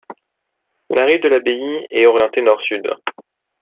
La rue de l'Abbaye est orientée nord-sud.